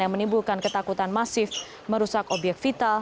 yang menimbulkan ketakutan masif merusak obyek vital